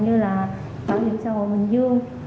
như là bảo hiểm xã hội bình dương